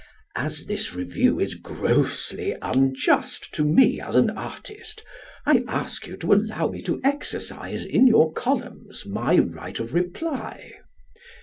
As this review is grossly unjust to me as an artist, I ask you to allow me to exercise in your columns my right of reply.